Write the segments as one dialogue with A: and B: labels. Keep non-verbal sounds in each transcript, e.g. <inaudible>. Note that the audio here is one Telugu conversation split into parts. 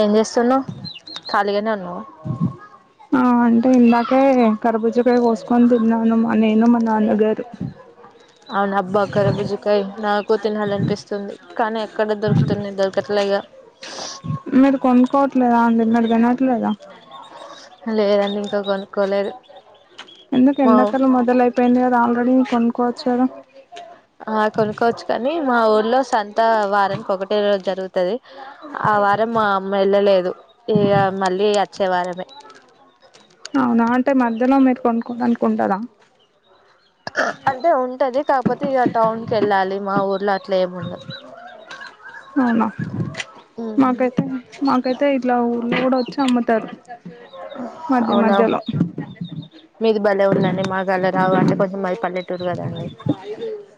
A: ఏం చేస్తున్నవ్ ఖాళీగానే ఉన్నా
B: ఆ అంటే ఇందాకే కరుబు గర్భుజకాయ్ కోస్కొన్ తిన్నాను. మా నేను, మా నాన్నగారు.
A: అవున్ అబ్బా, కర్బూజకాయ్ నాకు తినాలనిపిస్తుంది, కానీ ఎక్కడ దొరుకుతుంది దొరకట్లేగా <unintelligible>
B: మీరు కొనుక్కోవట్లేదాండి మీర్ తినట్లేదా?
A: లేదండి ఇంకా కొనుక్కోలేదు.
B: ఎందుకు
A: మా
B: ఎండకలం మొదల అయిపోయింది కదా ఆల్రెడీ కొనుకోవచ్చుకదా.
A: ఆ కొనుక్కోవచ్చు కానీ, మా ఊర్లో సంత వారానికి ఒకటే రోజు జరుగుత్ తది ఆ వారం మా అమ్మ ఎళ్ళలేదు. ఇగ మళ్ళీ అచ్చే వారమే.
B: అవునా, అంటే మధ్యలో మీరు కొనుక్కోడానికి ఉండదా?
A: అంటే ఉంటది. కాకపోతే ఇక టౌన్కి వెళ్ళాలి. మా ఊర్లో అట్లా ఏముండద్.
B: అవునా. మాకైతే మాకైతే ఇట్లా ఊర్లో గుడ వచ్చి అమ్ముతారు. మధ్య
A: అవునా
B: మధ్యలో
A: మీది భలే ఉందండి మాకు అలా రావ అంటే కొంచెం మది పల్లెటూరు కదండి.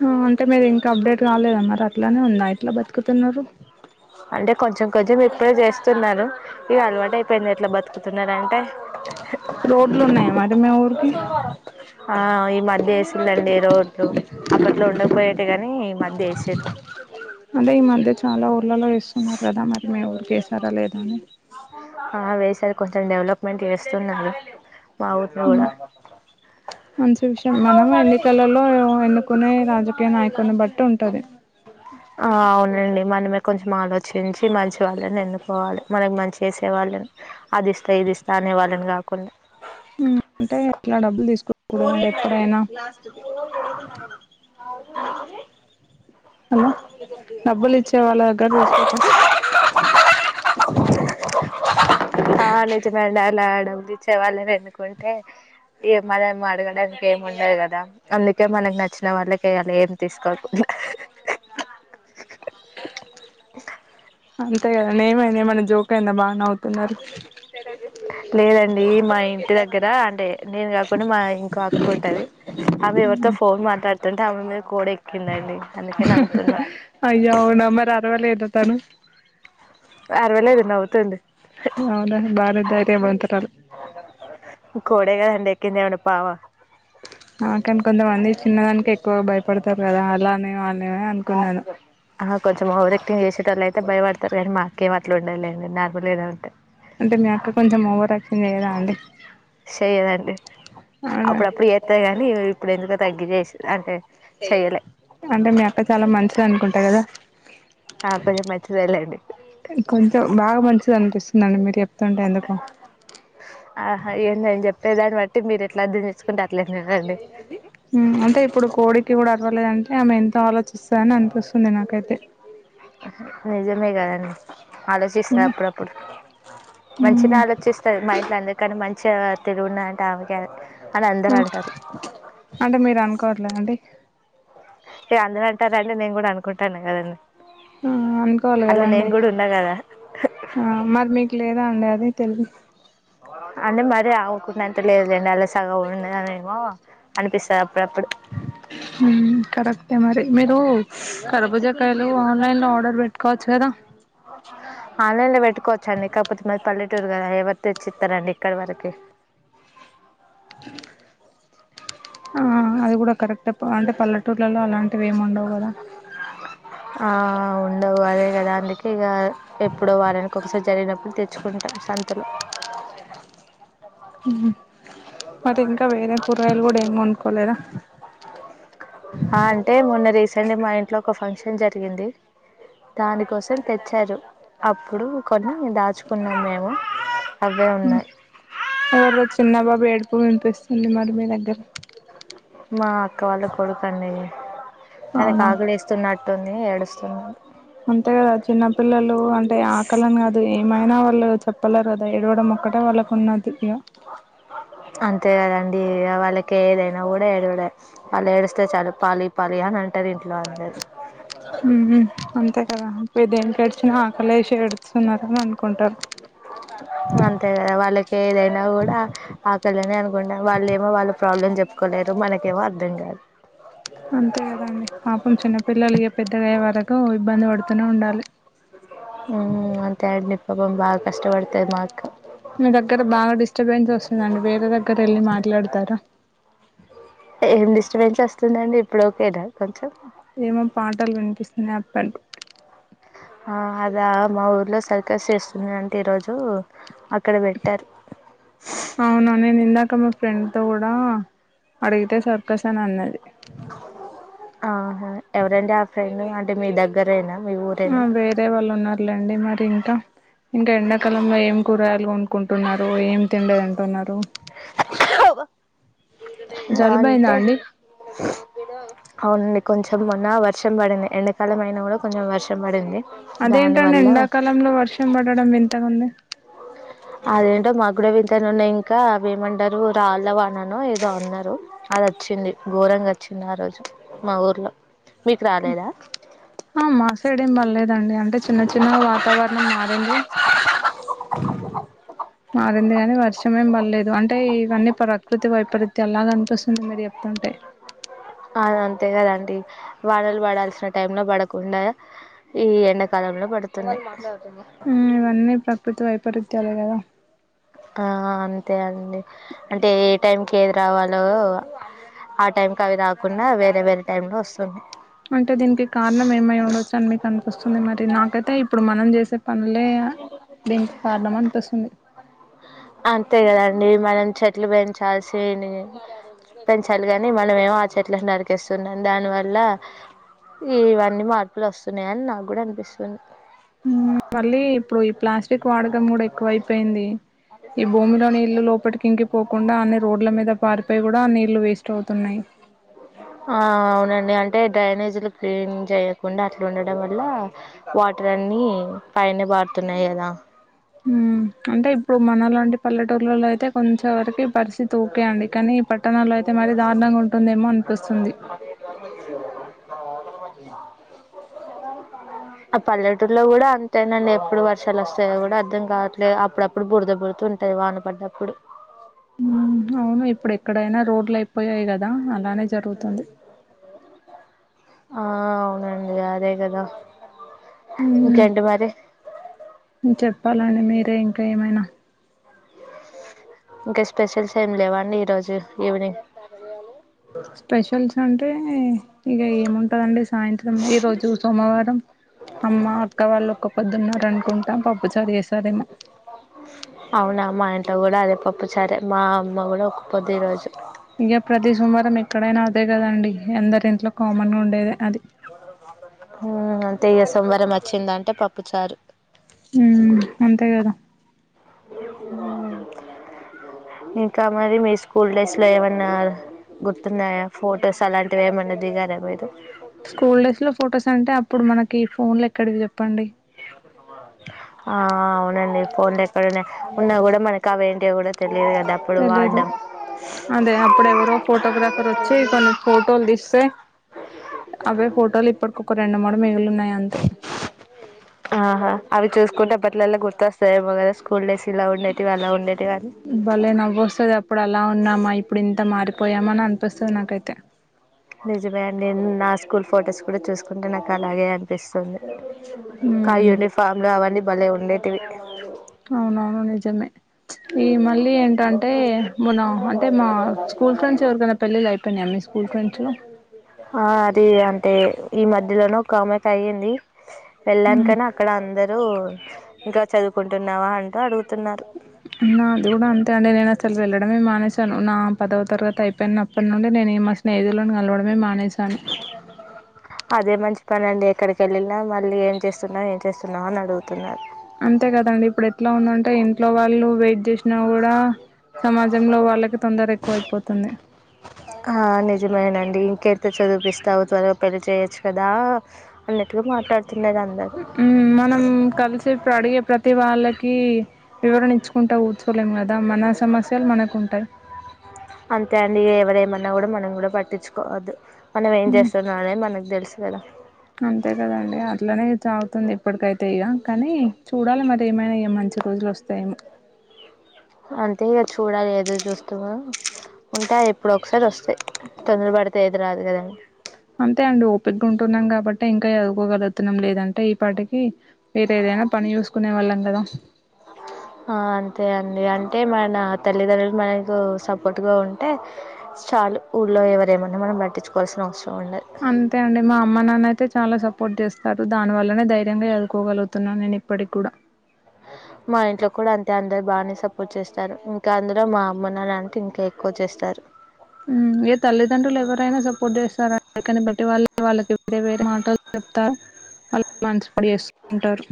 B: అ అంటే మీరు ఇంకా అప్డేట్ కాలేదన మాట అట్లానే ఉందా ఎట్లా బతుకుతున్నారు?
A: అంటే కొంచెం కొంచెం ఇప్పుడే చేస్తున్నారు ఇగ అలవాటు అయిపోయింది ఎట్లా బతుకుతున్నారంటే
B: రోడ్లు ఉన్నాయా? మరి మీ ఊరికి
A: ఆ ఈ మధ్య వేసిల్లండి రోడ్లు అప్పట్లో ఉండకపోయేటి కాని ఈ మధ్య ఎసిరు
B: అదే ఈ మధ్య చాలా ఊర్లలో ఎస్తున్నారు కదా మరి మీ ఊరికి ఎసారా లేదా అని
A: ఆ వేసారు కొంచెం డెవలప్మెంట్ చేస్తున్నారు. మా ఊరును కూడా.
B: మంచి విషయం. మనమే ఎన్నికలలో ఎన్నుకునే రాజకీయ నాయకుని బట్టి ఉంటది.
A: ఆ అవునండి. మనమే కొంచెం ఆలోచించి, మంచి వాళ్ళని ఎన్నుకోవాలి, మనకి మంచ్ చేసే వాళ్ళని. అది ఇస్తా, ఇది ఇస్తా అనేవాళ్ళని కాకుండ్
B: ఊమ్ అంటే ఎట్లా డబ్బులు తీస్ <inaudible> ఎప్పుడైనా హలో డబ్బులు ఇచ్చే వాళ్ళ దగ్గర తీసుకోక
A: ఆ నిజమె అండి డబ్బులిచ్చెవాలని ఎన్నుకుంటే ఇగ మనం అడగడానికి ఏం ఉండదు కదా కె మనకి నచ్చిన వాళ్ళకే ఎయ్యాలే ఏంతీసుకోకు
B: అంతే కదా నేమ ఎమన జోకయింద బాగా నవు
A: <inaudible> లేదండి మా ఇంటి దగ్గర అంటే నేను కాకుండా మా ఇంకో అక్కుంటది ఆమె ఎవర్ తో ఫోన్ మాట్లాడుతుంటే ఆమె మీద్ కోడి ఎక్కిందండి అందుకే నవ్వుతున్నా
B: అయ్యో అవునా మరి అరవ లేద తను
A: అరవలేదు నవ్వుతుంది
B: అవునా బ నే ధైర్యవంతురాలు
A: కోడేగాద అండి ఎక్కింది ఎమన్న పామ
B: ఆకాని కొంతమంది చిన్నదానికి ఎక్కువగా భయపడతారు కదా అలానే అనే నేమ్ అనుకున్నాను
A: ఆ, హ కొంచెం ఓవరక్టింగ్ చేసెటొలైతే తరు గని మాక్కెం అట్లా ఉండలేదండి నార్మల్ గద అంతె
B: అంటే మీ అక్క కొంచెం ఓవర్యాక్షన్ చేయదా అండి
A: షెయ్యదండి
B: అవునా
A: అప్పుడప్పుడు చేత్తద్ కాని ఇప్పుడు ఎందుకు తగ్గి చేేసి అంటే చెయ్యలే
B: అంటే మీ అక్క చాలా మంచిది అనుకుంటా కదా
A: ఆ కొంచెం మెచ్యూర్ లెండి
B: కొంచెం బాగా మంచిది అనిపిస్తుందాండి మీరు చేప్.
A: ఆహా ఏందాది చెప్పేది దాన్ని బట్టి మీరు ఎట్లా అర్థం చేసుకుంటే అట్.
B: ఉమ్ అంటే ఇప్పుడు కోడికి కూడా అర్వాలెదంటే ఆమె ఎంత్. ఆలోచిస్తాననిపిస్తుంది నాకైతే
A: నిజమే గదన్
B: ఉమ్
A: ఆలోచిస్తాప్పుడప్పుడు
B: ఉమ్
A: మంచిగానే ఆలోచిస్తాది మా ఇంట్ల అందరికన్నా మం చా ఆహ్ తిర్గునాంక ఆమెకే అది.
B: అంటే మీరు అనుకోవట్లేదాండి.
A: ఏ అందర్ అంటారానీ నేను కూడా అనుకుంటాను గదండీ.
B: ఆహ్ అనుకొవలిగదండి
A: ఉన్నా కదా
B: ఆహ్ మరి మీకు లేదా అండి అది. అదే తేల్వి.
A: అంటే మరి ఆమేకున్నంత లేదులేండి. అల్లా సగం ఉన్నదెమో అనిపిస్తా.
B: ఉమ్ కరక్టే మరి మీరు కరుబుజాకాయలు ఆన్లైన్. ఆర్డర్ పెట్టుకోవచ్చుగదా.
A: ఆన్లైన్ లో పెట్టుకోవచ్చాండి కాపోతే మర్. పల్లెటూరు గదా ఎవరు తెచ్చిస్తారండి ఇక్కడి వరకి.
B: ఆహ్ అది గూడ కరెక్ట్ పాయింట్ పల్లెటూళ్లలో అలాంటివి ఏమ్ ఉండవు గదా.
A: ఆహ్ ఉండవు అదే కదా అందుకే ఇగా ఎప్పుడో వారానికి ఒకసారి జరిగినప్పుడు తెచ్చుకుంటా. సంతలో.
B: మధింక వేరే కూరగాయలు కూడా ఏమ్ కోన్కోలేదా.
A: ఆహ్ అంటే మొన్న రీసెంట్గా మా ఇంట్లో ఒక ఫంక్షన్ జరిగింది. దానికోసం తెచ్చారు అప్పుడు కొన్నీ దాచుకున్నం మేము. అవే
B: ఉమ్
A: ఉన్నాయి
B: ఎవరిదో చిన్నబాబు ఏడుపు వినిపిస్తుంది మరి మీ దగ్గర.
A: మా అక్క వాళ్ళ కొడుకండి తనకు
B: అవునా
A: ఆకలేస్తున్నట్టుంది ఏడుస్తున్నాడు.
B: అంతేకాదు చిన్నపిల్లలు అంటే ఆకలానిగాది. ఏమైనా వాళ్ళు చెప్పలేరుగదా ఏడ్వడం ఒక్కటే వాళ్ళకు ఉన్నది ఇగ.
A: అంతేగదండి ఇగ వాళ్ళకి ఏదైనగుడా ఏడ్వడే వాళ్ళు ఏడుస్తే చాలు పాలీ పాలీ అన్. అంటరు ఇంట్లో వాళ్ళు అందరు.
B: అదంత్ పెద్దియంక్ ఎడిసిన ఆకలేశే ఏడుస్తున్నారెమో అనుకొంటారు.
A: ఇంకా అంతే గద వాళ్ళకేదైనా గూడ ఆకలనే అనుకుంటారు వాళ్ళేమో వాళ్ళ ప్రాబ్లమ్ చెప్. మనకేమో అర్థంగాదు.
B: అంతే గదండి పాపం చిన్నపిల్లలిగా పెద్దగయే వరకు ఇబ్బంది పడు. క్కనో ఉండాలి.
A: ఉమ్మ్ అంతే అండి పాపం బాగా కష్టవడ్తది మా అక్క.
B: మీ దగ్గర బాగా డిస్టబెన్స్ వస్తుందండి వేరే దగ్గర ఎళ్ళి మాట్లాడతార.
A: ఏం డిస్టబెన్స్ వస్తుందండి ఇప్పుడోకేన.
B: ఏమో పాటల్ వినిపిస్తున్నాయి అక్కడు.
A: ఆహ్ అదా మా ఊర్లో సర్కస్ చేస్తున్నారంటా ఈరోజు. ఓహో అక్కడ పెట్టారు.
B: ఇంకా మా ఫ్రెండ్ తో కూడా అడిగితే సర్కస్ అనే అన్నది.
A: ఆహా ఎవరండి ఆ ఫ్రెండు అంటే మీ దగ్గరేనా. మీ ఊరేనా
B: ఆహ్ వేరే వాళ్ళున్నారులేండి మరి ఇంకా. ఇంకా ఎండాకాలంలో ఏం కూరగాయలు కోన్నుకుంటున్నారు ఏం తిండి తింటున్నారు.
A: ఆహ్
B: జలుబయిందా
A: అంటే
B: అండి
A: ఆమ్లెట్. కొంచెం మొన్న వర్షం పడింది ఎండాకాలం అయినాగూడా కొంచెం వర్షం పడింది.
B: అదేంటండి
A: దానివల్ల
B: ఎండాకాలంలో వర్షం పడడం వింతగుంది.
A: అదేంటో మాకుగుడ విం. తనునింక అవి ఏమంటారు రాళ్ళ వాననో ఏదో అన్నారు అదొచీంది ఘోరంగా వచ్. ఆ రోజు మా ఊర్లో. మీకు రాలేదా
B: ఆహ్ మా సైడ్ ఏం పడ్లేదండి అంటే చిన్న చిన్న వాతావరణం మర్. ఏంది.
A: <inaudible>
B: మారింది గనీ వర్షం ఏం బల్లెదు అంటే ఇవన్నీ ప్రకృతి వైపరీత్యాలాగ అనిపిస్తుంది మీరు చెప్తుంటే
A: <inaudible> అదంతే కదండి వానలు పడాల్సిన టైంల పడకుండా ఈ ఎండ
B: ఉమ్ ఇవన్నీ ప్రకృతి వైపరీత్యాలే గదా
A: ఆహ్ అంతే అండి అంటే ఏ టైం కేది రావాలో ఆ టైంకి అవి రాకుండా వేరే వేరే టైం లో వస్
B: అంటే దీనికి కారణం ఏమై ఉండోచ్చు అని మీకు అనిపిస్తుంది మరి నాకైతే ఇప్పుడు మనం చేసే పనులే దినికి కారణం అనిపిస్తుంది
A: అంతే కదండి మనం చెట్లు పెంచాల్సినీ పెంచాలి గని మనమేమో ఆ చెట్లని నరికేస్తున్నాం దానివల్ల ఇవన్నీ మార్పులు వస్తున్నయని నాగుడ అనిపిస్తుంది
B: స్టిక్ వాడకం కూడా ఎక్కువ అయిపోయింది ఈ భూమిలో నీళ్లు లోపటికి ఇంకిపోకుండా అన్ని రోడ్ల మీద పారిపోయి కూడా అ నీళ్లు వేస్ట్ అవుతున్నాయి
A: ఆహ్ అవునండి అన్ టే డ్రైనేజులు క్లీన్ జేయకుండా అట్లుండడం వల్లా వాటర్ అన్ని పైనె పడుతున్నయి గదా
B: మ్మ్ అంటే ఇప్పుడు మన లాంటి పల్లేటుర్ళ్లలో అయితే కొంచె వరకి పరిస్ తీత్ ఓకే అండి కానీ ఈ పట్టణాల్లో అయితే మరీ దారుణంగా ఉంటుందేమో అనిపిస్తుంది
A: <inaudible> ఆ పల్లెటూర్లో గూడా అంతేనాండి ఎప్పుడు వర్షాలు వస్తాయో కూడా అర్థం కాట్లే అప్పుడప్పుడు బురద బుడుతున్ టది వాన పడ్డప్పుడు
B: ఉమ్ అవును ఇప్పుడే ఎక్కడైనా రోడ్లు అయిపోయాయి గదా అలానే జరుగుతుంది
A: ఆ అవునండి అదే గదా
B: ఉమ్మ్ చెప్పాలండి మీరే ఇంకా ఏమైనా
A: ఇంక స్పెషల్స్ ఏం లేవా అండి ఈరోజు ఈవినింగ్
B: స్పెషల్స్ అంటే ఇగ ఏముంటదండి సాయంత్రం ఈరోజు సోమవారం అమ్మ అక్క వాళ్ళ ఒక పొద్దున్నారనుకుంటా పప్పు చారు చేసారేమో
A: అవునా మా ఇంట్లో గూడా అదే పప్పుచారే మా అమ్మ గూడా ఒక పొద్దు ఈరోజు
B: ఇక ప్రతి సోమవారం ఎక్కడైనా అదే గదండి అందరి ఇం
A: అహ్ అంతే ఇగ సోమవారం ఒచ్చిందంటే పప్ ప్పుచారు
B: ఉమ్ మ్ అంతే గదా
A: ఇంకా మరి మీ స్కూల్ డేస్ లో ఏమన్నా గుర్తున్నాయా ఫోటోస్ అలాంటివి ఏమన్నదిగారా మీరు
B: స్కూల్ డేస్ లో ఫొటోస్ అంటే అప్పుడు మనకి ఈ ఫోన్లు ఎక్కడివి జేప్పండి
A: ఆహ్ అవునండి ఫోన్లేక్కడున్నాయి ఉన్నా గూడా మనక్ అవేంటియో గూడా తెలియదు గదా అప్పుడు
B: తెలీదు
A: వాడ్డం
B: అదే అప్పుడు ఎవరో ఫోటోగ్రాఫర్ వచ్చి కొన్ని ఫోటోల్ దీస్తే అవే ఫోటోలు ఇప్పటికి ఒక రెండు మూడు మిగులున్నాయి అంతే
A: ఆహ అవి చూసుకుంటేబ్బట్లలా గుర్తొస్తాయేమో గదా స్కూల్ డేస్ ఇలా ఉండేటివి అలా ఉండేటివి అని
B: భలే నవ్వొస్తది అప్పుడు అలా ఉన్నామా ఇప్పుడు ఇంత మార్ పోయామ నన్
A: నిజమే అండి నాస్ కూల్ ఫొటోస్ కూడ చూసుకుంటే నాకు అలాగే అనిపిస్తుంది కా
B: ఉమ్
A: యూనిఫామ్లు అవన్నీ భలే ఉండేటివి
B: అవునవును నిజమే ఈ మళ్ళీ ఏంటంటే మన అంటే మా స్కూల్ ఫ్రెడ్స్ ఎవరికైనా పెళ్లిళ్లయిపొనయ మీ స్కూల్ ఫ్రెండ్స్లో
A: ఆ అది అంటే ఈ మధ్యలోను ఒక ఆమెకు అయ్యింది వెళ్ళమ్
B: ఉమ్
A: కానీ అక్కడ అందరూ ఇంకా చదువుకుంటున్నావా అంటూ అడుగుతున్నారు.
B: నాద్ గుడ అంతే అండి నేన్ అసలు వెళ్ళడమే మానేశాను. నా పదవ తరగతి అయిపోయినప్పన్ నుండి నేన్ నే మా స్నేహితులను కలవడమే మానేసాను.
A: పనండి ఎక్కడికెళ్లిన మళ్ళీ ఏం చేస్తున్నావ్ ఏం చేస్తున్నావ్ అని అడుగుతున్నారు.
B: అంతే కదండి ఇప్పుడ్ ఎట్లా ఉందంటే ఇంట్లో వాళ్ళు వెయిట్ చేస్ నా గుడా సమాజంలో వాళ్ళకి తొందరెక్కు అయిపోతుంది.
A: ఆ నిజమేనండి ఇంకె <unintelligible> పెళ్ళి చేయొచ్చు కదా అన్నట్టు మాట్లాడ్
B: మ్ మనం కల్సే అడిగే ప్రతీ వాళ్ళకీ వివరణ ఇచ్చుకుంట కూర్చోలేం గ దా మన సమస్యలు మనకుంటాయి.
A: అంతే అండి <unintelligible> మనం గుడా పట్టించుకోవద్దు. మనం ఏం
B: మ్మ్
A: చేస్తున్నా అనే మనక్ తెల్సు గదా
B: స్తుంది ఎప్పటికైతే ఇగ కనీ చూడాలె మరి ఏమైనా ఇగ మంచి రోజుల్ వస్తాయేమో
A: అంతే ఇగ చూ చూడాలె ఎదురుచూస్తూ ఉంటే అ ఎప్పుడో ఒకసార్ వస్తయి. తొందర పడితే ఏది రాదు కదా
B: అంతే అండి ఓపిగ్గా ఉంటున్నాం కాబట్టే ఇంకా చదుకోగలుగుతున్నాం లేదంటే ఈ పాటికి వేరే ఏదైనా పని చూస్కునే వాళ్ళం గదా
A: అంతే అంటే మన తల్లిదండ్రులు మనకు సపోర్ట్గా ఉంటే చాలు ఊళ్ళో ఎ ఎవర్ ఏమన్న మనం పట్టించుకోవాల్సిన అవస
B: అంతే అండి మా అమ్మ, నాన్న అయితే చాలా స పోర్ట్ చేస్తారు. దాని వల్లనే ధైర్యంగా చదుకోగలుగుతున్నా నేన్ ఇప్పట్కి కూడా
A: అంటే అందరు బానే సపోర్ట్ చేస్తారు ఇంకా అందులో మా అమ్మ, నాన్న అంటే ఇంకా ఎక్కువ చేస్తారు.
B: మ్ ఏ తల్లిదండ్రుల్ ఎవ్వరైనా సపోర్ట్ చేస్తారు గాని <unintelligible> వాళ్ళకి వేరే వేరే మాటల్ <unintelligible> చేస్కుంటారు.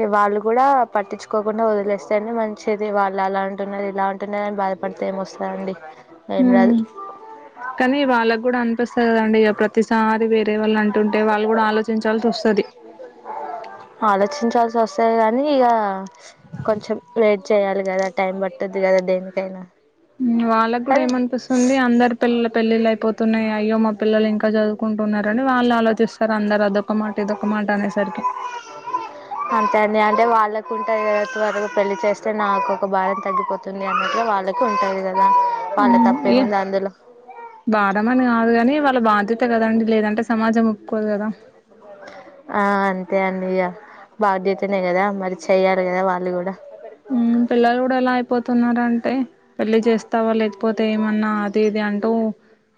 A: ఏ వాళ్ళు కూడా పట్టించుకోకుండా వదిలేస్తేనే మంచిది వాళ్ అలా అంటున్నరు ఇలా అంటున్నారు అని బాద ఇస్తా అండి ఏం
B: ఉమ్
A: కాదు.
B: కానీ వాళ్ళక్ గుడా అనిపిస్తద్ కదండి ఇగ ప్రతిసారి వేర్ రే వాళ్ళంటుంటే వాళ్ళు గుడా ఆలోచించాల్స్ వస్తది.
A: ఆలోచించాల్సి వస్తది కానీ ఇగ కొంచెం వెయిట్ చేయాలి గదా టైం పట్టు ద్ది కదా దేనికైనా
B: మ్ వాళ్ళక్ కూడా
A: కానీ
B: ఏమన్పిస్తుంది అందర్ పిల్లల పెళ్ళిళ్ళు అయిపోతున్నాయి అయ్యో మా పిల్లలు ఇంకా చదువుకుంటున్నార్ రు. వాళ్ ఆలోచిస్తరు అందర్ అదొక మాట ఇదొక మాట అనేసర్కి.
A: అంతే అండి అంటే వాళ్ళకుంటదిగ త్వరగా పెళ్లి చేస్తే నాకు ఒక భారం తగ్గిపో తుంది అన్నట్టుగ వాళ్ళకి ఉంటది కదా వాళ్ళ తప్పేముంది అందులో
B: బారమని కాదు కని వాళ్ళ బాధ్యత కదండి లేదంటే సమాజం ఒప్పుక్కోదు గదా
A: ఆ అంతే అండి ఇగ బాధ్యతనే గదా మరి చెయ్యాలి కదా వాళ్ళు గుడా
B: మ్ పిల్లలు గుడా ఎలా అయిపోతున్నారంటే పెళ్ళి చేస్ స్తావా లేక్పోతే ఏమన్నా అది ఇది అంటూ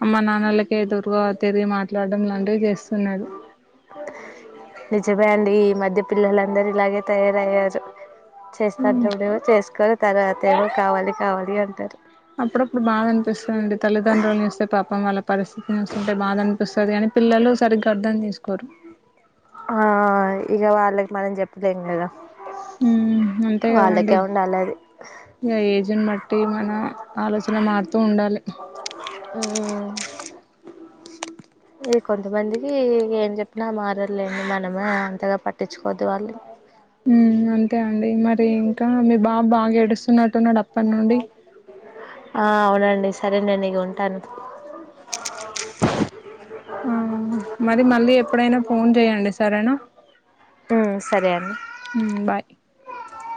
B: అమ్మ నాన్నలకె ఎదురుగా తిరిగి మా మాట్లాడ్డం లాంటివి చేస్తున్నారు.
A: నిజమే అండి ఈ మధ్య పిల్లలందరు ఇలాగే తయారయ్యారు చేస్తా
B: హ్మ్
A: అన్నపూడేమో చేస్కోర్ తర్వాతేమో కావాలి కావాలి అంటారు.
B: అప్పుడప్పుడు బాధ అన్పిస్తదండి తల్లిదండ్రులని చూస్తే పాపం వాళ్ళ పరిస్థితిని చూస్తుంటే బాధ అనిపిస్ కాదు కని పిల్లలు సరిగ్గా అర్థం చేస్కోరు.
A: ఆ ఇగ వాళ్ళకి మనం చెప్పలేం గదా
B: హ్మ్ అంతే కదండి
A: వాళ్ళకే ఉండాలె అది
B: ఇగ ఏజ్ న్ బట్టి మన ఆలోచన మారుతూ ఉండాలే
A: ఉ ఈ కొంతమందికి ఏం చెప్పినా మారర్లేండి మనమే అంతగా పట్టించుకోవద్దు వాళ్ళు.
B: మ్ అంతే అండి మరి ఇంకా మీ బాబు బాగా ఏడుస్తున్నట్టున్నడు. అప్ రేపట్నుండి
A: ఆ అవునండి సరే నేను ఈగ ఉంటాను
B: ఆ మరి మళ్ళీ ఎప్పుడైనా ఫోన్ చేయండి సరేనా
A: ఉ ఆ సరే అండి
B: బాయ్